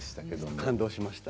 感動しました。